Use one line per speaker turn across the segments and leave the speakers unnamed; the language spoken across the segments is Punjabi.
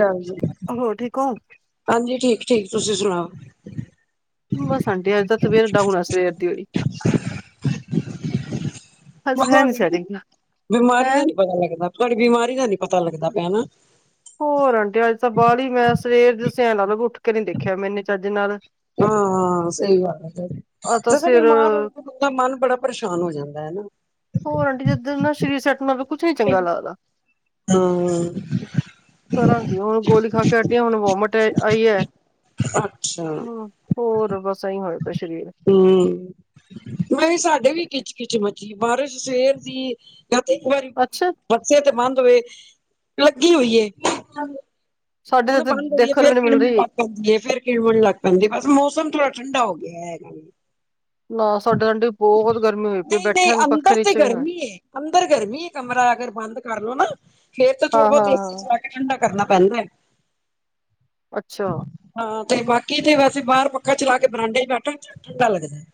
ਹਾਂਜੀ-
ਹੋਰ ਠੀਕ ਹੋ?
ਹਾਂਜੀ, ਠੀਕ- ਠੀਕ ਤੁਸੀਂ ਸੁਣਾਓ?
ਬਸ ਸਾਡੇ ਅੱਜ ਤਾਂ ਸਵੇਰ ਡਾਊਣਾ ਆ ਸਵੇਰ ਦੀ ਵੀ। ਅੱਜ ਹੈ ਨੀ
ਤੁਹਾਡੀ
ਸੈਟਿੰਗ।
ਬਿਮਾਰੀ ਦਾ
ਹੈਂ
ਨੀ ਪਤਾ ਲੱਗਦਾ। ਤੁਹਾਡੀ ਬਿਮਾਰੀ ਦਾ ਨੀ ਪਤਾ ਲੱਗਦਾ ਪਿਆ।
ਹੋਰ ਆਂਟੀ ਅੱਜ ਤਾਂ ਬਾਹ ਹੀ ਮੈਂ ਸਵੇਰ ਜ ਸਿਆਣ ਲ ਉੱਠ ਕੇ ਨਹੀਂ ਦੇਖਿਆ ਮੈਨੇ ਚਾਜੇ ਨਾਲ।
ਹਾ-ਹਾਂ। ਹਾਂ, ਸਹੀ ਗੱਲ ਹੈ ਫੇਰ
ਆ ਤਾਂ
ਜੋਦ
ਸਿਰ
ਬਿਮਾਰ ਹੋਏਦਾ ਮਨ ਬੜਾ ਪਰੇਸ਼ਾਨ ਹੋ ਜਾਂਦਾ ਹੈ।
ਹੋਰ ਆਂਟੀ ਜਿੱਦ ਨਾ ਸਰੀਰ ਸੈਟ ਨਾਲ ਕੁਛ ਨੀ ਚੰਗਾ ਲੱਗਦਾ।
ਹੂੰ।
ਕਰਾਂਗੀ ਹੁਣ ਗੋਲੀ ਖਾ ਕੇ ਅਡੀਆਂ ਹੁਣ ਵੋਮਿਟ ਆਈ ਹੈ।
ਅੱਛਾ
ਹਮ ਹੋਰ, ਬਸ। ਐਈ ਹੋਇਆ ਪਿਆ ਸਰੀਰ।
ਹਮ, ਮੈਂ ਵੀ ਸਾਡੇ ਵੀ ਖੱਚ- ਕਿੱਚ ਮ ਬਾਰਿਸ਼ ਸਵੇਰ ਦੀ ਕ ਤੇ ਇੱਕ ਵਾਰੀ
ਅੱਛਾ
ਬੱਚੇ ਤੇ ਬੰਦ ਹੋਏ ਲੱਗੀ ਹੋਈਏ।
ਸਾਡੇ
ਹੁਣ
ਤਾਂ
ਬੰਦ
ਦੇਖਣ
ਫੇਰ
ਵੀ ਨੀ ਮਿਲ
ਕਿਮਣ
ਰਹੀ।
ਲੱਗਦੀ ਫੇਰ ਕਿਣਮਣ ਲੱਗ ਹਾਂਜੀ, ਬਸ ਮੌਸਮ ਥੋੜਾ ਠੰਡਾ ਹੋ ਗਿਆ।
ਨਾ ਸਾਡੇ ਤਾਂ ਆਂਟੀ ਬਹੁਤ ਗਰਮੀ ਹੋਈ ਪਈ
ਨਹੀਂ- ਨਹੀਂ
ਬੈਠਾ ਵੀ ਪੱਖੇ
ਅੰਦਰ ਤੇ
ਨੀਚੇ ਵੀ ਹਾਂ
ਗਰਮੀ ਹੈ ਅੰਦਰ ਗਰਮੀ ਹੈ। ਕਮਰਾ ਅਗਰ ਬੰਦ ਕਰ ਲੋ ਨਾ। ਫੇਰ ਤਾਂ
ਹਾਂ
ਥੋੜਾ ਬਹੁਤ
ਹਾਂ
ਚਲਾ ਕੇ ਠੰਢਾ ਕਰਨਾ ਪੈਂਦਾ ਹੈ।
ਅੱਛਾ।
ਹਾਂ, ਤੇ ਬਾਕੀ ਤੇ ਵੈਸੇ ਬਾਹਰ ਪੱਖਾ ਚਲਾ ਕੇ ਬਰਾਂਡੇ ਚ' ਬੈਠਣ ਠੰਡਾ ਲੱਗਦਾ।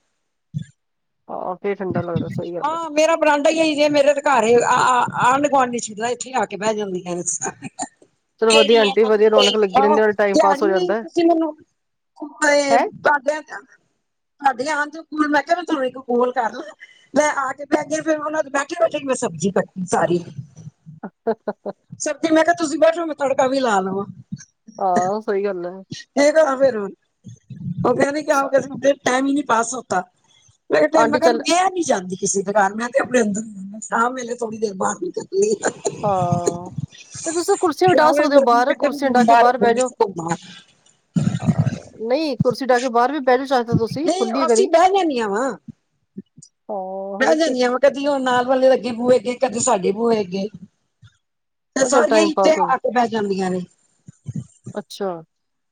ਆਹੋ! ਫਿਰ ਠੰਡਾ ਲੱਗਦਾ ਸਹੀ ਗੱਲ।
ਹਾਂ ਮੇਰਾ ਬਰਾਂਡਾ ਹੀ ਹੀ ਜੇ ਮੇਰੇ ਅ ਘਰ ਆਂਢ- ਗੁਆਂਢੀ ਸ਼ੀਦਲਾ ਇੱਥੇ ਹੀ ਆ ਕੇ ਬਹਿ ਜਾਂਦੀਆਂ।
ਚਲੋ
ਕਿੜ
ਵਧੀਆ
ਆ
ਆਂਟੀ ਵਧੀਆ ਰੌਣਕ ਲੱਗੀ
ਹਾਂ,
ਰਹਿੰਦੀ ਨਾਲੇ ਟਾਈਮ ਪਾਸ ਹੋ
ਧਿਆਣੀ
ਜਾਂਦਾ
ਤੁਸੀਂ ਮੈਨੂੰ ਕੋ
ਹੈ।
ਭਡ ਤੇਲ ਮੈਂ ਕਿਹਾ ਵੀ ਤੁਹਾਨੂੰ ਇੱਕ ਕੋਲ ਕਰ ਲਾ ਮੈਂ ਆ ਕੇ ਬੈ ਗ ਫ ਉਹਨਾ ਦੇ ਬੈਠੇ- ਬੈਠੇ ਮੈਂ ਸਬਜ਼ੀ ਕੱਟੀ ਸਾਰੀ।
ਅੱਛ ਅੱੱਛ
ਸਬਜ਼ੀ ਮੈਂ ਕਿਹਾ ਤੁਸੀਂ ਬੈਠੋ ਮੈਂ ਤੜਕਾ ਵੀ ਲਾ ਲਵਾਂ
ਹਾਂ ਸਹੀ ਗੱਲ ਹੈ
ਹਗਾ ਬਰਨ ਉਹ ਕਹਿੰਦੀ ਕਿ ਟਾਈਮ ਹੀ ਨਹੀਂ ਪਾਸ ਹੋਤਾ ਮੇ
ਆਂਟੀ
ਮੈਂਗਰ
ਚੱਲ
ਮੈਂ ਨੀ ਜਾਂਦੀ ਕਿਸੇ ਦੇ ਘਰ, ਮੈਂ ਤੇ ਆਪਣੇ ਅੰਦਰ ਸਾਮ ਵੇਲੇ ਥੋੜੀ ਦੇਰ ਬਾਹਰ ਨਿਕਲਦੀ ਨ
ਹਾਂ, ਤੇ ਤੁਸੀਂ ਕੁਰਸੀਆਂ ਵੀ ਉ ਡਾਹ
ਸ਼ਾਮ ਵੇਲੇ
ਸਕਦੇ ਹੋ ਬਾਹਰ ਕੁਰਸੀਆਂ ਉ ਡਾਹ ਕੇ ਬਾਹਰ ਬਹਿ ਜਾਓ
ਹਮ
ਨਹੀਂ ਕੁਰਸੀ ਡਾਹ ਕੇ ਬਾਹਰ ਵੀ ਬਹਿ ਲੋ ਚਾਹੀਦਾ ਤੁਸੀਂ
ਨਹੀਂ
ਖੁੱਲੀਏ
ਅਸੀਂ
ਕਰੀ
ਬਹਿ ਮੈਂ ਬੈਠ
ਹੋਰ ਕੀ
ਜਾਂਦੀ ਆ ਵਾਂ ਕਦੀ ਉਹੁ ਨਾਲ ਵਾਲੇ ਲੱਗੇ ਬੂਹੇ ਅਗੇ ਕਦੇ ਸਾਡੇ ਬੂਹੇ ਅਗੇ ਤੇ
ਉਹ ਚੱਲ
ਸਾਰੀਆਂ
ਟਾਈਮ
ਹੀ ਇਥੇ
ਪਾਸ ਹੋ
ਆ ਕੇ ਬਹਿ ਜਾਂਦੀਆਂ ਨੇ
ਅੱਛਾ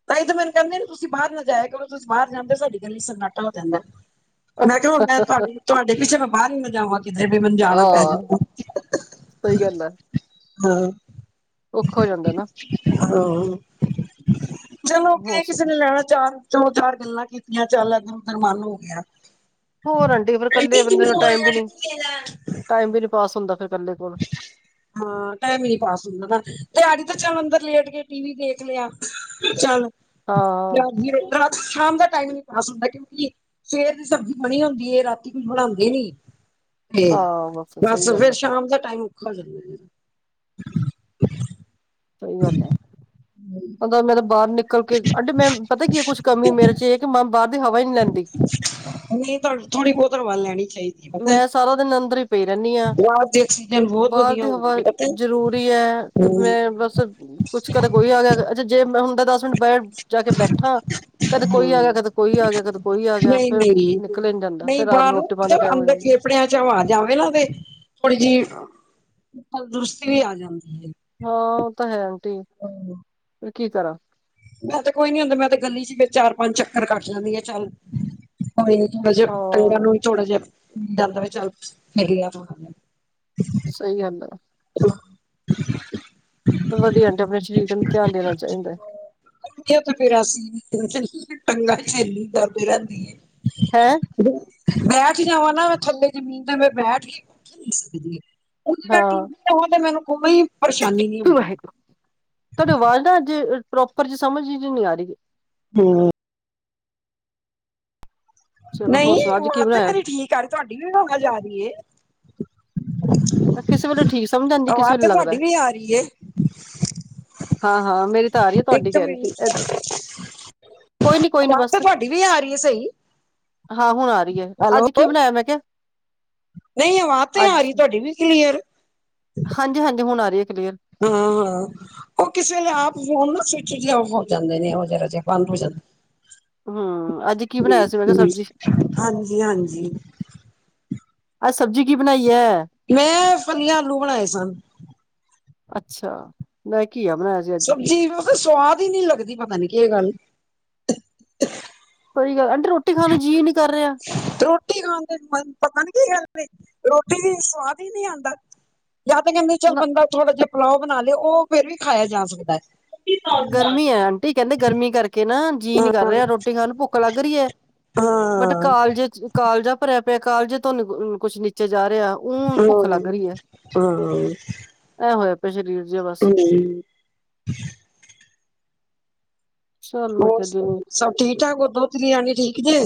ਤਾਂ ਇਹ ਮੈਨੂੰ ਕਹਿੰਦੀ ਤੁਸੀਂ ਬਾਹਰ ਨਾ ਜਾਇਆ ਕਰੋ ਤੁਸੀਂ ਬਾਹਰ ਜਾਂਦੇ ਹੋ ਸਾਡੀ ਗੱਲ ਲਈ ਸਨਾਟਾ ਹੋ ਜਾਂਦਾ ਮੈਂ ਕਿਹਾ ਮੈਂ ਤੁਹਾਡੇ, ਤੁਹਾਡੇ ਪਿੱਛੇ ਮੈਂ ਬਾਹਰ ਹੀ ਨਾ ਜਾਵਾਂ ਕਿਤੇ ਵੀ ਮੈਨੂੰ ਜਾਣਾ ਪੈ ਜਾ
ਹਾਂ ਸਹੀ ਗੱਲ ਹੈ
ਹਾਂ
ਔਖਾ ਹੋ ਜਾਂਦਾ ਨਾ ਹੋਰ
ਚਲੋਗੇ ਕਿਸੇ
ਸੁਣਾ
ਨੇ ਲੈਣਾ ਚਾਰ ਚਲੋ ਚਾਰ ਗੱਲਾਂ ਕੀਤੀਆਂ ਚੱਲ ਇਧਰ- ਉਧਰ ਮਨ ਹੋ ਗਿਆ
ਹੋਰ ਆਂਟੀ ਫਿਰ ਇਕੱਲੇ ਬੰਦੇ ਨਾਲ ਟਾਈਮ ਵੀ ਨੀ, ਟਾਈਮ ਵੀ ਨੀ ਪਾਸ ਹੁੰਦਾ ਫਿਰ ਬੰਦੇ ਕੋਲ
ਹਾਂ ਟਾਈਮ ਹੀ ਨੀ ਪਾਸ ਹੁੰਦਾ ਨਾ ਦਿਹਾੜੀ ਤੇ ਚਲ ਅੰਦਰ ਲੇਟ ਕੇ ਟੀ ਵੀ ਦੇਖ ਲਿਆ ਚੱਲ
ਹਾਂ
ਰਾਤ ਸ਼ਾਮ ਦਾ ਟਾਈਮ ਨੀ ਪਾਸ ਹੁੰਦਾ ਕਿਉਂਕਿ ਸਵੇਰ ਦੀ ਸਬਜ਼ੀ ਬਣੀ ਹੁੰਦੀ, ਰਾਤੀ ਕੁਝ ਬਣਾਉਂਦੇ ਨੀ ਤੇ
ਹਾਂ
ਬਸ
ਸਹੀ ਗੱਲ
ਫੇਰ
ਹੈ
ਸ਼ਾਮ ਦਾ ਟਾਈਮ ਔਖਾ ਹੋ ਜਾਂਦਾ
ਸਹੀ ਗੱਲ ਹੈ ਉਹਦਾ ਮੈੰ ਤਾਂ ਬਾਹਰ ਨਿਕਲ ਕੇ ਆਂਟੀ ਮੈਂ ਪਤਾ ਕੀ ਹੈ ਕੁੱਛ ਕਮੀ ਮੇਰੇ ਚ ਇਹ ਹੈ ਕਿ ਮੈਂ ਬਾਹਰ ਦੀ ਹਵਾ ਨੀ ਲੈਂਦੀ
ਨਹੀਂ ਥੋੜ੍ਹੀ ਬਹੁਤ ਹਵਾ ਲੈਣੀ ਚਾਹੀਦੀ ਹੈ ਪਤਾ
ਮੈਂ ਸਾਰਾ ਦਿਨ ਅੰਦਰ ਹੀ ਪਈ ਰਹਿੰਦੀ ਹਾਂ
ਗਲਾਸ ਦੀ ਆਕਸੀਜਨ ਬਹੁਤ
ਬਾਹਰ
ਵਧੀਆ
ਦੀ ਹਵਾ
ਹੁੰਦੀ ਹੈ ਪਤਾ
ਜ਼ਰੂਰੀ ਹੈ ਤੇ ਮੈਂ ਬਸ ਕੁਛ ਕਰ ਕੋਈ ਆ ਗਿਆ ਅੱਛਾ ਜੇ ਮੈਂ ਹੁੰਦਾ ਦਸ ਮਿੰਟ ਬਹਿਰ ਜਾ ਕੇ ਬੈਠਾ ਕਦੇ
ਹਾਂ
ਕੋਈ ਆ ਗਿਆ, ਕਦੇ ਕੋਈ ਆ ਗਿਆ, ਕਦੇ ਕੋਈ ਆ ਗਿਆ
ਨਹੀਂ
ਫੇਰ
ਨਹੀਂ
ਨਿਕਲੇ ਨੀ ਜਾਂਦਾ, ਫੇਰ ਰਾਤ ਨੂੰ ਰੋਟੀ ਪਾ
ਕੱਪੜਿਆਂ ਚ ਹਵਾ ਜਾਵੇ ਨਾ, ਤੇ ਥੋੜੀ ਜਿਹੀ ਤੰਦਰੁਸਤੀ ਵੀ ਆ ਜਾਂਦੀ ਹੈ
ਹਾਂ ਉਹ ਤਾਂ ਹੈ ਆਂਟੀ
ਹਾਂ
ਫਿਰ ਕੀ ਕਰਾਂ
ਮੈਂ ਤੇ ਕੋਈ ਨੀ ਹੁੰਦਾ ਮੈਂ ਤੇ ਗਲੀ ਚ ਫਿਰ ਚਾਰ ਪੰਜ ਚੱਕਰ ਕੱਟ ਲੈਂਦੀ ਆ ਚੱਲ ਕੋਈ ਥੋੜੇ ਜਿਹੇ ਪਰਾਂ
ਹਾਂ
ਨੂੰ ਵੀ ਥੋੜਾ ਜਿਹਾ ਜਾਂਦਾ ਚੱਲ ਮਿਲ ਗਿਆ
ਸਹੀ ਗੱਲ ਆ ਵਧੀਆ, ਤੇ ਆਪਣੇ ਸਰੀਰ ਨੂੰ ਧਿਆਨ ਦੇਣਾ ਚਾਹੀਦਾ ਹੈ
ਤੇ ਫਿਰ ਅਸੀਂ ਟੰਗਾ ਸਹੇਲੀ ਕਰਦੇ ਰਹਿੰਦੀ
ਹੈਂ
ਬੈਠ ਜਾਵਾਂ ਨਾ ਥੱਲੇ ਜ਼ਮੀਨ ਤੇ ਮ ਬੈਠ ਕੇ ਨਹੀਂ ਸਕਦੀ ਹੈ ਉਹ ਮੈਂ
ਹਾਂ
ਟਾਂ ਤੇ ਮੈਨੂੰ ਕੋਈ ਪਰੇਸ਼ਾਨੀ ਨਹੀ
ਵਾਹਿਗੁਰੂ, ਤੁਹਾਡੀ ਆਵਾਜ਼ ਨਾ ਅੱਜ ਪ੍ਰੋਪਰ ਜ ਸਮਝ ਨੀ ਆ ਰਹੀ
ਹਮ
ਚਲੋ
ਨਹੀਂ,
ਹੋਰ ਸੁਣਾਓ ਅੱਜ ਕੀ
ਆਵਾਜ ਤੇ
ਬਣਾਇਆ?
ਮੇਰੀ ਠੀਕ ਆ ਰਹੀ ਤੁਹਾਡੀ ਵੀ ਆਵਾਜ ਆ ਰਹੀ ਹੈ
ਕਿਸੇ ਵੇਲੇ ਠੀਕ ਸਮਝ ਆਂਦੀ ਕਿਸੇ
ਆਵਾਜ਼
ਵੇਲੇ
ਤੇ ਤੁਹਾਡੀ
ਲੱਗਦਾ
ਵੀ ਆ ਰਹੀ ਹੈ।
ਹਾਂ-ਹਾਂ ਮੇਰੀ ਤਾਂ ਆ ਰਹੀ ਹੈ ਤੁਹਾਡੀ
ਇੱਕ
ਕਹਿ ਰਹੀ ਸੀ
ਮਿੰਟ
ਇਧਰੋਂ ਕੋਈ ਨੀ ਕੋਈ ਨੀ
ਆਵਾਜ਼ ਤਾਂ
ਬਸ
ਤੁਹਾਡੀ ਵੀ ਆ ਰਹੀ ਹੈ ਸਹੀ
ਹਾਂ ਹੁਣ ਆਰੀ ਐ,
ਹੈਲੋ
ਅੱਜ ਕੀ ਬਣਾਇਆ ਮੈਂ ਕਿਹਾ।
ਨਹੀਂ ਆਵਾਜ ਤੇ ਆ
ਅੱਜ
ਰਹੀ, ਤੁਹਾਡੀ ਵੀ ਕਲੀਅਰ।
ਹਾਂਜੀ-ਹਾਂਜੀ, ਹੁਣ ਆਰੀ ਐ ਕਲੀਅਰ।
ਹਾਂ- ਹਾਂ। ਉਹ ਕਿਸੇ ਵੇਲੇ ਆਪ ਫੋਨ ਨਾ ਸਵਿਚ ਜੇ ਔਫ ਹੋ ਜਾਂਦੇ ਨੇ, ਉਹ ਜਰਾ ਜਿਹੇ ਬੰਦ ਹੋ ਜਾਂਦੇ।
ਹੂੰ ਅੱਜ ਕੀ ਬਣਾਇਆ ਸੀ ਮੈਂ ਕਿਹਾ ਸਬਜ਼ੀ
ਹਾਂਜੀ- ਹਾਂਜੀ।
ਅੱਜ ਸਬਜ਼ੀ ਕੀ ਬਣਾਈ ਐ।
ਮੈਂ ਫਲੀਆਂ ਆਲੂ ਬਣਾਏ ਸਨ।
ਅੱਛਾ, ਮੈਂ ਘੀਆ ਬਣਾਇਆ ਸੀ। ਅੱਜ
ਸਬਜ਼ੀ ਤਾਂ ਸਵਾਦ ਹੀ ਨੀ ਲੱਗਦੀ, ਪਤਾ ਨੀ ਕੀ ਗੱਲ।
ਕੋਈ ਗੱਲ, ਆਂਟੀ ਰੋਟੀ ਖਾਣ ਜੀਅ ਨੀ ਕਰ ਰਿਹਾ।
ਰੋਟੀ ਖਾਣ ਦੇ ਮਨ ਪਤਾ ਨੀ ਕੀ ਕਰਦੇ, ਰੋਟੀ ਵੀ ਸਵਾਦ ਹੀ ਨਹੀਂ ਆਂਦਾ। ਜਾਂ ਤਾਂ ਕਹਿੰਦੇ ਚੱਲ
ਨਾ
ਬੰਦਾ ਥੋੜਾ ਜਿਹਾ ਪਲਾਓ ਬਣਾ ਲਏ, ਉਹ ਫੇਰ ਵੀ ਖਾਇਆ ਜਾ ਸਕਦਾ ਹੈ। ਹਾਂ
ਗਰਮੀ ਐ, ਆਂਟੀ ਕਹਿੰਦੇ ਗਰਮੀ ਕਰਕੇ ਨਾ ਜੀ ਨੀ ਕਰ
ਹਾਂ
ਰਿਹਾ ਰੋਟੀ ਖਾਣ ਨੂੰ ਭੁੱਖ ਲੱਗ ਰਹੀ ਐ, ਬਟ
ਹਾਂ
ਕਾਲਜੇ ਚ ਕਾਲਜਾ ਭਰਿਆ ਪਿਆ, ਕਾਲਜੇ ਤੋਂ ਨੀ ਕੁ ਕੁੱਛ ਨੀ ਨੀਚੇ ਜਾ ਰਿਹਾ, ਊਂ
ਹਾਂ
ਭੁੱਖ ਲੱਗ ਰਹੀ ਐ,
ਹੂੰ
ਐਂ ਹੋਇਆ ਪਿਆ ਸਰੀਰ। ਜੇ ਬਸ
[unintelligible]
ਚੱਲ ਮੈਂ
ਹੋਰ
ਕਦੀ
ਸਭ ਠੀਕ-ਠਾਕ, ਦੋਤਰੀ ਰਾਣੀ ਠੀਕ ਜੇ।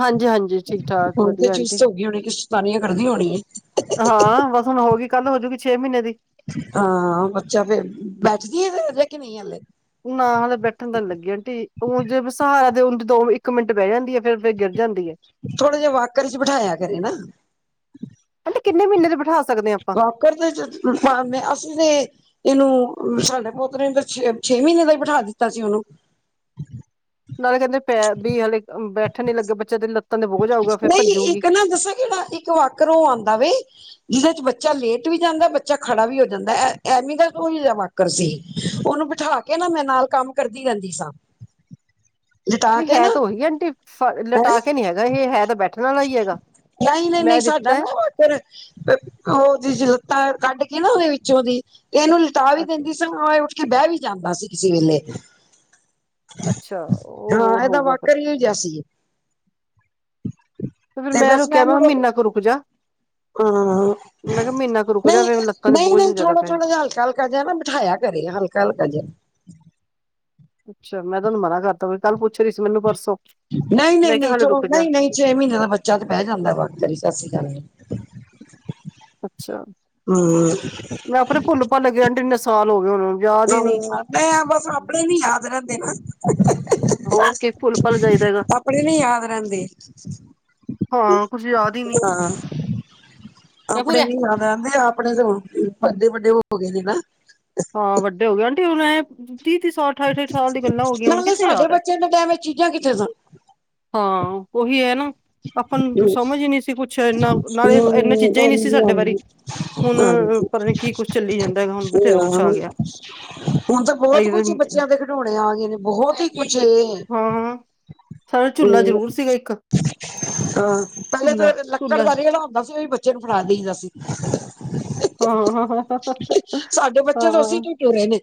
ਹਾਂਜੀ ਹਾਂਜੀ ਠੀਕ ਠਾਕ
ਹੁਣ ਤੇ
ਵਧੀਆ ਆਂਟੀ
ਚੁਸਤ ਹੋ ਗਈ ਹੋਣੀ ਐ, ਸੈ ਤਾਨੀਆਂ ਕਰਦੀ ਹੋਣੀ ਏ।
ਹਾਂ ਬਸ ਹੁਣ ਹੋ ਗਈ, ਕੱਲ ਹੋਜੂਗੀ ਛੇ ਮਹੀਨੇ ਦੀ।
ਹਾਂ, ਬੱਚਾ ਫੇਰ ਬੈਠਦੀ ਐ, ਹਜੇ ਕਿ ਨਹੀਂ ਹਾਲੇ।
ਨਾ ਹਾਲੇ ਬੈਠਣ ਤਾਂ ਨੀ ਲੱਗੀ ਆਂਟੀ, ਊਂ ਜੇ ਸਹਾਰਾ ਦੇ ਦੋ ਇੱਕ ਮਿੰਟ ਬਹਿ ਜਾਂਦੀ ਆ, ਫੇਰ ਗਿਰ ਜਾਂਦੀ ਹੈ
ਥੋੜਾ ਜਿਹੇ ਵਾਕਰ ਚ ਬਿਠਾਇਆ ਕਰੇ ਨਾ।
ਅੰਟੀ ਕਿੰਨੇ ਮਹੀਨੇ ਦੇ ਬਿਠਾ ਸਕਦੇ ਆ ਆਪਾਂ।
ਵਾਕਰ ਦੇ ਚ ਪਾਂਦੇ, ਅਸੀਂ ਤੇ ਇਹਨੂੰ ਸਾਡੇ ਪੋਤਰੇ ਨੂੰ ਤਾਂ, ਛੇ- ਛੇ ਮਹੀਨੇ ਦਾ ਹੀ ਬਿਠਾ ਦਿੱਤਾ ਸੀ ਉਹਨੂੰ।
ਨਾਲੇ ਕਹਿੰਦੇ ਪੈਰ ਵੀ ਹਲੇ ਬੈਠਣ ਨੀ ਲੱਗੇ, ਬੱਚਿਆਂ ਦੇ ਲੱਤ
ਨਹੀਂ ਇੱਕ ਨਾ ਦੱਸਾਂ ਕਿਹੜਾ ਇੱਕ ਵਾਕਰ, ਉਹ ਆਂਦਾ ਵੇ ਜਿਹਦੇ ਚ ਬੱਚਾ ਲੇਟ ਵੀ ਜਾਂਦਾ, ਬੱਚਾ ਖੜਾ ਵੀ ਹੋ ਜਾਂਦਾ, ਐ ਐਵੇਂ ਦਾ ਕੋਈ ਵਾਕ ਉਪਰ ਸੀ, ਉਹਨੂੰ ਬਿਠਾ ਕੇ ਨਾ ਮੈਂ ਨਾਲ ਕੰਮ ਕਰਦੀ ਰਹਿੰਦੀ ਸਾਂ। ਲਿਟਾ
ਨਹੀਂ
ਕੇ
ਹੈ
ਨਾ
ਤਾਂ ਉਹੀ ਆਂਟੀ। ਫ
ਹੈਂ
ਲਿਟਾ ਕੇ ਨਹੀਂ ਹੈਗਾ, ਇਹ ਹੈ ਤਾਂ ਬੈਠਣ ਵਾਲਾ ਹੀ ਹੈਗਾ, ਮੈਂ ਦਿੱਤਾ।
ਫਿਰ ਉਹਦੀ ਜੇ ਲੱਤਾਂ ਕੱਢ ਕੇ ਨਾ ਉਹਦੇ ਵਿੱਚੋਂ ਦੀ, ਤੇ ਇਹਨੂੰ ਲਿਟਾ ਵੀ
ਅੱਛਾ
ਦਿੰਦੀ ਸੀ। ਪਰ ਉਹ ਉੱਠ ਕੇ ਬਹਿ ਵੀ ਜਾਂਦਾ ਸੀ, ਕਿਸੇ ਵੇਲੇ।
ਅੱਛਾ, ਉਹ ਹੋਰ ਹੋਊਗਾ ਫਿਰ।
ਕਿਆ ਸੀ ਏ।
ਤੇ ਫਿਰ ਮੈਂ
ਬਸ
ਉਹਨੂੰ ਕਿਹਾ,
ਮੈਨੂੰ
ਮਹਾਂ ਮਹੀਨਾ ਕੁ ਰੁਕ ਜਾ।
ਹਾਂ
ਮੈਂ ਕਿਹਾ ਮਹੀਨਾ ਕੁ ਰੁਕ ਜਾ,
ਨਹੀਂ
ਲੱਤਾਂ ਦੇ
ਨਹੀਂ
ਬੋਝ ਨੀ
ਨਹੀਂ
ਜ਼ਿਆਦਾ
ਥੋੜਾ
ਪੈਣੇ।
ਥੋੜਾ ਜਿਹਾ ਹਲਕਾ ਹਲਕਾ ਜਿਹਾ ਨਾ ਬਿਠਾਇਆ ਕਰੇ, ਹਲਕਾ- ਹਲਕਾ ਜਿਹਾ
ਅੱਛਾ ਮੈਂ ਤੁਹਾਨੂੰ ਮਨਾ ਕਰਤਾ ਬਈ, ਕੱਲ ਪੁੱਛ ਰਹੀ ਸੀ ਮੈਨੂੰ ਪਰਸੋਂ।
ਨਹੀਂ- ਨਹੀਂ-
ਮੈਂ ਕਿਹਾ
ਨਹੀਂ
ਹਾਲੇ
ਚੋ
ਰੁਕ ਜਾ
ਨਹੀਂ- ਨਹੀਂ, ਛੇ ਮਹੀਨੇ ਦਾ ਬੱਚਾ ਤਾਂ ਬਹਿ ਜਾਂਦਾ ਵਾਕਰ ਵਿਚ, ਸਸ ਰੀ ਕਾਲ ਜੀ।
ਅੱਛਾ।
ਹੂੰ,
ਮੈਂ ਆਪਣੇ ਭੁੱਲ ਭੱਲ ਗਿਆ ਅੰਟੀ, ਐਨੇ ਸਾਲ ਹੋ ਗਏ ਉਹਨਾਂ ਨੂੰ।
ਹੂੰ, ਐਂ ਬਸ ਆਪਣੇ ਨੀ ਯਾਦ ਰਹਿੰਦੇ ਨਾ।
ਹੋਰ ਕੀ ਭੁੱਲ ਭੱਲ ਜਾਈਦਾ ਹੈਗਾ
ਆਪਣੇ ਨੀ ਯਾਦ ਰਹਿੰਦੇ।
ਹਾਂ ਕੁਝ ਯਾਦ ਹੀ ਨਹੀਂ
ਹਾਂ,
ਕਿਆ
ਆਪਣੇ
ਪੂਰੇ
ਨੀ ਯਾਦ ਰਹਿੰਦੇ, ਆ ਆਪਣੇ ਤੇ ਹੁਣ ਵੱਡੇ- ਵੱਡੇ ਹੋ ਗਏ ਨੇ ਨਾ।
ਹਾਂ ਵੱਡੇ ਹੋ ਗਏ, ਆਂਟੀ ਹੁਣ ਐਂ ਤੀਹ-ਤੀਹ ਸਾਲ, ਠਾਈ- ਠਾਈ ਸਾਲ ਦੀ ਗੱਲਾਂ ਹੋ ਗਈਆਂ, ਹੁਣ ਕਿੱਥੇ ਯਾਦ ਐ।
ਏਂਦੇ ਟਾਈਮ ਵਿਚ ਚੀਜ਼ਾਂ ਕਿੱਥੇ ਸਨ।
ਹਾਂ, ਓਹੀ ਹੈ ਨਾ। ਆਪਾਂ ਨੂੰ ਸਮਝ ਈ ਨਹੀ ਸੀ ਕੁਛ, ਇੰਨਾ ਨਾਲੇ
ਹਮ
ਏਨੀ ਚੀਜ਼ਾਂ ਈ ਨਹੀ ਸੀ
ਹਾਂਜੀ
ਸਾਡੇ ਵਾਰੀ।
ਹਾਂਜੀ
ਹੁਣ
ਹਾਂਜੀ
ਪਰ ਨੀ ਕੀ ਕੁਛ ਚੱਲੀ ਜਾਂਦਾ ਹੈਗਾ ਹੁਣ ਬਥੇਰਾ ਕੁਛ
ਹਾਂ
ਆ ਗਿਆ।
ਹੁਣ ਤਾਂ ਬਹੁਤ ਕੁਛ ਬੱਚਿਆਂ ਦੇ ਖਿਡੌਣੇ ਆ ਗਏ ਨੇ ਬਹੁਤ ਹੀ ਕੁਛ।
ਹਾਂ ਸਾਡਾ ਝੂਲਾ
ਹੂੰ
ਜ਼ਰੂਰ ਸੀਗਾ ਇੱਕ।
ਹਾਂ ਪਹਿਲੇ ਤਾਂ
ਝੂਲਾ
ਲੱਕੜ
ਝੂਲਾ
ਦਾ ਰੇਹੜਾ ਹੁੰਦਾ ਸੀ ਓਹੀ ਬੱਚੇ ਨੂੰ ਫੜਾ ਦੇਈ ਦਾ ਸੀ।
ਹਾਂ -ਹਾਂ।
ਸਾਡੇ ਬੱਚੇ ਤੇ ਔਸੀ ਚ ਤੁਰੇ ਨੇ।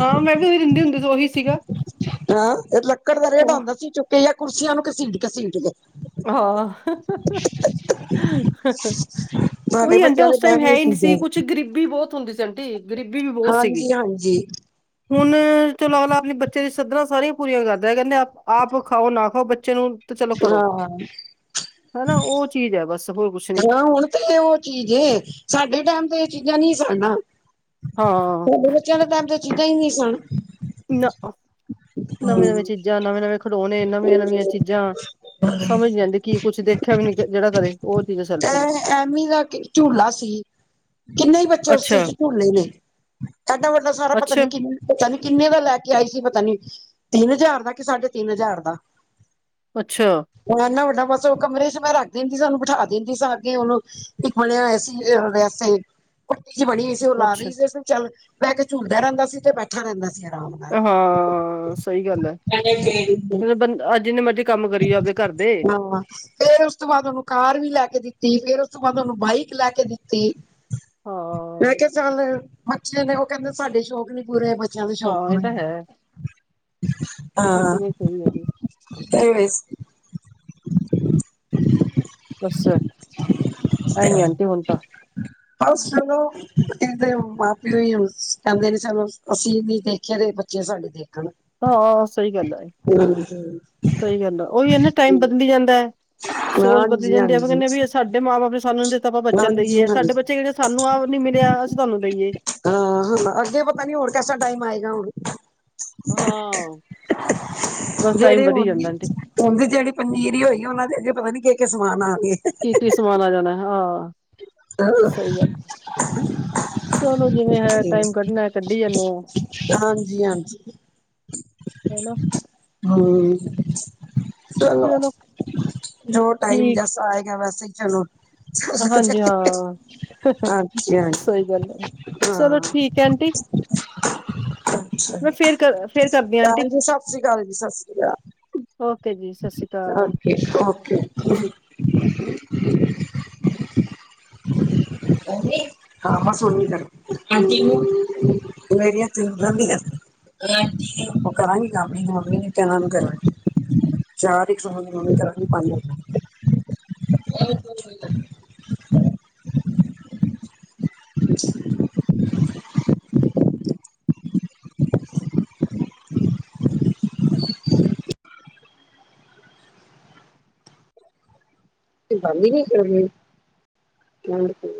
ਹਾਂ ਮੈਂ ਵੀ ਓਹੀ ਦਿੰਦੀ ਹੁੰਦੀ ਸੀ ਓਹੀ ਸੀਗਾ।
ਹਾਂ। ਏਕ ਲੱਕੜ ਦਾ ਰੇੜਾ
ਉਹ
ਹੁੰਦਾ ਸੀ ਚੁੱਕੀ ਯਾਂ ਕੁਰਸੀਆਂ ਨੂੰ ਘਸੀਟ- ਘਸੀਟ ਕੇ।
ਹਾਂ।
ਸਾਡੇ
ਓਹੀ ਆਂਟੀ
ਬੱਚਿਆਂ ਦੇ
ਉਸ ਟਾਈਮ ਹੈ
ਇਹ
ਹੀ ਨੀ ਸੀ
ਚੀਜ਼ਾਂ
ਕੁਛ ਗਰੀਬੀ ਬਹੁਤ ਹੁੰਦੀ ਸੀ ਆਂਟੀ। ਗਰੀਬੀ ਵੀ ਬਹੁਤ ਸੀਗੀ।
ਹਾਂਜੀ ਹਾਂਜੀ
ਹੁਣ ਚਲੋ ਅਗਲਾ ਅਪਣੇ ਬੱਚੇ ਦੀ ਸੱਧਰਾਂ ਸਾਰੀਆਂ ਪੂਰੀਆਂ ਕਰਦਾ ਕਹਿੰਦੇ ਆਪ ਖਾਓ ਨਾ ਖਾਓ ਬੱਚੇ ਨੂੰ
ਹਾਂ।
ਹੈਨਾ ਓਹ ਚੀਜ਼ ਐ ਬਸ। ਹੋਰ ਕੁਛ ਨੀ
ਹਾਂ ਹੁਣ ਤੇ ਓਹ ਚੀਜ਼ ਏ। ਸਾਡੇ ਟਾਈਮ ਤੇ ਇਹ ਚੀਜ਼ਾਂ ਨਹੀ ਸਨ ਨਾ।
ਹਾਂ।
ਸਾਡੇ ਬੱਚਿਆਂ ਦੇ ਟਾਈਮ ਤੇ ਇਹ ਚੀਜ਼ਾਂ ਈ ਨਹੀ ਸਨ।
ਨਾ, ਨਵੇ- ਨਵੇ
ਹੂੰ
ਚੀਜ਼ਾਂ, ਨਵੇਂ -ਨਵੇਂ ਖਿਡੋਣੇ, ਨਵੀਆਂ- ਨਵੀਆਂ ਚੀਜ਼ਾਂ। ਸਮਝ ਨੀ ਆਂਉਦੀ ਕਿ ਕੁਛ ਦੇਖਿਆ ਵੀ ਨੀ ਜਿਹੜਾ ਕਦੇ ਓਹ ਚੀਜ਼ ਸਨ।
ਐ ਐਮੀ ਦਾ ਝੂਲਾ ਸੀ, ਕਿੰਨੇ ਈ ਬੱਚੇ ਚੇ ਓਸ ਚ
ਅੱਛਾ,
ਝੂਲੇ ਨੇ। ਐਡਾ ਵੱਡਾ ਸਾਰਾ ਪਤਾ
ਅੱਛਾ,
ਨੀ ਕਿ ਪਤਾ ਨੀ ਕਿੰਨੇ ਦਾ ਲੈ ਕੇ ਆਈ ਸੀ ਪਤਾ ਨੀ। ਤਿੰਨ ਹਜ਼ਾਰ ਦਾ ਕਿ ਸਾਢੇ ਤਿੰਨ ਹਜ਼ਾਰ ਦਾ।
ਅੱਛਾ।
ਹੁਣ ਏਨਾ ਵੱਡਾ ਬਸ ਉਹ ਕਮਰੇ ਚ ਮੈਂ ਰੱਖ ਦਿੰਦੀ ਸਾਂ ਉਹਨੂੰ ਬਿਠਾ ਦਿੰਦੀ ਸਾਂ ਅੱਗੇ ਉਹਨੂੰ। ਇੱਕ ਬਣਿਆ ਹੋਇਆ ਸੀ ਅ ਵੈਸੇ ਈ ਕੁਟੀ ਜੀ ਬਣੀ ਹੋਈ ਸੀ। ਜੇ ਉਹ ਲਾ
ਅੱਛਾ
ਲਈ ਦੇ ਸਨ ਚੱਲ ਬਹਿ ਕੇ ਝੂਲਦਾ ਰਹਿੰਦਾ ਸੀ ਤੇ ਬੈਠਾ ਰਹਿੰਦਾ ਸੀਗਾ।
ਹਾਂ। ਸਹੀ ਗੱਲ ਹੈ। ਬੰਦਾ ਅ ਜਿੰਨੇ ਮਰਜੀ ਕੰਮ ਕਰੀ ਜੋ ਆਪਦੇ ਘਰ ਦੇ।
ਹਾਂ। ਫਿਰ ਉਸ ਤੋਂ ਬਾਅਦ ਉਹਨੂੰ ਕਾਰ ਵੀ ਲੈ ਕੇ ਦਿੱਤੀ, ਫਿਰ ਉਸ ਤੋਂ ਬਾਅਦ ਉਹਨੂੰ ਬਾਈਕ ਲੈ ਕੇ ਦਿੱਤੀ।
ਹਾਂ,
ਮੈਂ ਕਿਹਾ ਚੱਲ ਬਚੇ ਨੇ, ਉਹ ਕਹਿੰਦੇ ਸਾਡੇ ਸ਼ੌਕ ਨੀ ਪੂਰੇ ਬਚਿਆ ਦੇ ਸੌਕ
ਹਾਂ ਇਹ
ਹੋਣੇ
ਤਾਂ ਹੈ।
ਹਾਂ
ਬਿਲਕੁਲ ਇਹ ਸਹੀ ਹੈ ਜੀ
ਏਹ ਦੇ।
ਬੱਸ, ਐਂਈ ਆਂਟੀ ਹੁਣ ਤਾਂ।
ਬਸ ਚਲੋ ਕਹਿੰਦੇ, ਮਾਂ ਪਿਓ ਹੀ ਕਹਿੰਦੇ ਨੇ ਸਾਨੂੰ ਅਸੀ ਨੀ ਦੇਖਿਆ ਤੇ ਬ ਬੱਚੇ ਸਾਡੇ ਦੇਖਣ
ਹਾਂ ਸਹੀ ਗੱਲ ਆ ਏ।
ਹਾਂਜੀ
ਸਹੀ ਗੱਲ ਆ ਔਈ ਨਾ ਟਾਈਮ ਬਦਲੀ ਜਾਂਦਾ ਐ।
[unintelligible] [unintelligible]
ਸੋਚ ਬਦਲੀ ਜਾਂਦੀ ਆ
ਹਾਂਜੀ
ਆਪਾਂ
ਹਾਂਜੀ
ਕਹਿੰਦੇ ਵੀ ਸਾਡੇ ਮਾਂ ਬਾਪ ਨੇ ਸਾਨੂੰ ਨਹੀ ਦਿੱਤਾ ਆਪਾਂ ਬੱਚਿਆਂ ਨੂੰ ਦੇਈਏ।
ਹਾਂਜੀ
ਸਾਡੇ ਬੱਚੇ ਕਿਹੜੇ ਸਾਨੂੰ ਆਹ ਨੀ ਮਿਲਿਆ, ਅਸੀ ਤੁਹਾਨੂੰ ਦੇਈਏ।
ਹਾਂ ਹ ਅੱਗੇ ਪਤਾ ਨੀ ਹੋਰ ਕੈਸਾ ਟਾਈਮ ਆਏਗਾ ਹੁਣ।
ਹਾਂ ਬਸ ਟਾਈਮ
ਜਿਹੜੇ
ਵਧੀ
ਹੁਣ
ਜਾਂਦਾ ਆਂਟੀ
ਹੁਣ ਵੀ ਜਿਹੜੀ ਪੰਨੀਰੀ ਹੋਈ ਉਹਨਾਂ ਦੇ ਅੱਗੇ ਪਤਾ ਨੀ ਕਿਆ- ਕਿਆ ਸਮਾਨ ਆਉਣ ਗਏ
ਕੀ- ਕੀ ਸਮਾਨ ਆ ਜਾਣਾ ਹਾਂ,
ਹਾਂਜੀ
ਸਹੀ ਗੱਲ ਆ ਚਲੋ ਜਿਵੇਂ ਹੈ ਟਾਈਮ ਕੱਢਨਾ ਕੱਢੀ ਜਾਂਦੇ ਆ
ਹਾਂਜੀ-ਹਾਂਜੀ।
ਹੇਲੋ।
ਹੂੰ, ਚਲੋ। ਜੋ ਟਾਈਮ
ਠੀਕ
ਜੈਸਾ ਆਇਗਾ, ਵੈਸੇ ਹੀ ਚਲੋ।
ਹਾਂਜੀ-ਹਾਂ। ਹੇ, ਹੇ,
ਹਾਂਜੀ ਹਾਂਜੀ
ਸਹੀ ਗੱਲ ਹੈ, ਚਲੋ ਠੀਕ ਹੈ ਆਂਟੀ। ਮੈਂ ਫੇਰ ਕਰ ਫੇਰ ਕਰਦੀ ਹਾਂ
ਭੈਣ
ਆਂਟੀ
ਜੀ, ਸਤਿ ਸ੍ਰੀ ਅਕਾਲ ਜੀ। ਸਤਿ ਸ਼੍ਰੀ ਅਕਾਲ।
ਓਕੇ ਜੀ ਸਤਿ ਸ਼੍ਰੀ ਅਕਾਲ
ਓਕੇ-ਓਕੇ।
ਸਤਿ ਸ਼੍ਰੀ
ਭੈਣ ਜੀ। ਹਾਂ, ਹਾਂ, ਸੁੱਨੀ ਘਰ, ਮੇਰੀਆ ਤਿੰਨ ਨਾਨੀਆਂ। ਉਹ ਕਰਾਂਗੇ ਕੰਮ ਇਹਨਾ [unintelligible] ਤੇ ਏਨਾਂ ਨੂੰ ਕਰਾਂਗੇ। ਚਾਰ ਇੱਕ ਸੋ ਕਰਾਂਗੀ, ਪੰਜ। [unintelligible] ਬੰਦ ਈ ਨਹੀਂ ਕਰ ਰਹੀ, ਹਾਂ ਕੀ